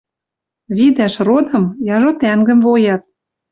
Видӓш родым — яжо тӓнгым воят.